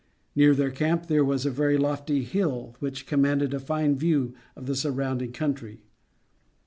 Near their camp there was a very lofty hill which commanded a fine view of the surrounding country.